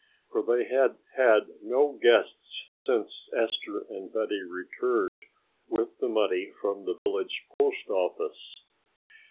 For they had had no guests since Esther and Betty returned with the money from the village post office.